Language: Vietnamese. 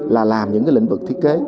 là làm những lĩnh vực thiết kế